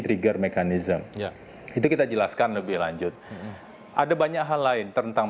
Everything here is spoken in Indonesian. trigger mechanism itu kita jelaskan lebih lanjut ada banyak hal lain tentang